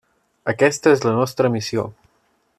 Aquesta és la nostra missió.